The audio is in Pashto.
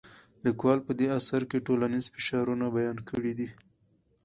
لیکوال په دې اثر کې ټولنیز فشارونه بیان کړي دي.